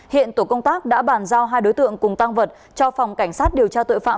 hiện tổ công tác đã bàn giao hai đối tượng cùng tăng vật cho phòng cảnh sát điều tra tội phạm